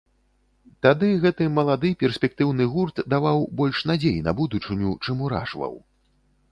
Тады гэты малады, перспектыўны гурт даваў больш надзей на будучыню, чым уражваў.